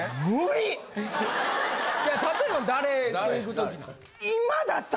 例えば誰と行くときなん？